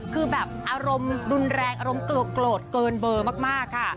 คือแบบอารมณ์รุนแรงอารมณ์โกรธเกินเบอร์มากค่ะ